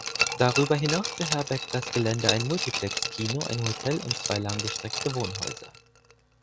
Darüber hinaus beherbergt das Gelände ein Multiplex-Kino, ein Hotel und zwei langgestreckte Wohnhäuser.